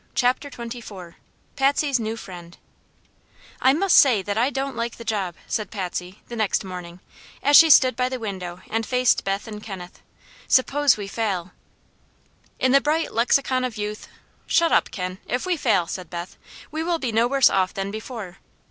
CHAPTER XXIV PATSY'S NEW FRIEND "I must say that I don't like the job," said Patsy, the next morning, as she stood by the window and faced Beth and Kenneth. "Suppose we fail?" "In the bright lexicon of youth " "Shut up, Ken. If we fail," said Beth, "we will be no worse off than before."